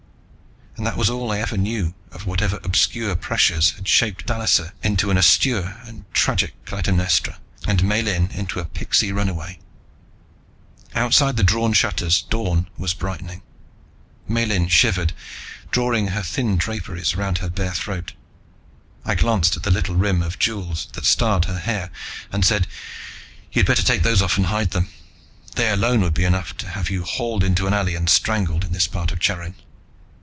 And that was all I ever knew of whatever obscure pressures had shaped Dallisa into an austere and tragic Clytemnestra, and Miellyn into a pixie runaway. Outside the drawn shutters, dawn was brightening. Miellyn shivered, drawing her thin draperies around her bare throat. I glanced at the little rim of jewels that starred her hair and said, "You'd better take those off and hide them. They alone would be enough to have you hauled into an alley and strangled, in this part of Charin."